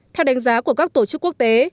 theo đánh giá của các tổ chức quốc tế